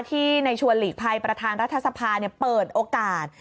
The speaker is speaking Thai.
ในชวนหลีกภัยประธานรัฐสภาเปิดโอกาส